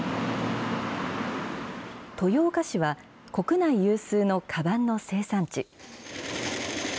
豊岡市は、国内有数のかばんの生産地。